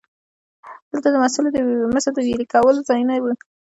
دلته د مسو د ویلې کولو ځایونه وو